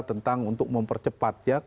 tentang untuk mempercepat ya